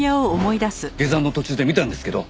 下山の途中で見たんですけど。